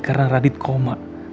karena radit koma